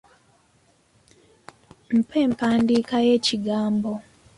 Mpa empandiika y'ekigambo.